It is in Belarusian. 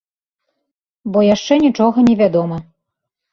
Бо яшчэ нічога не вядома.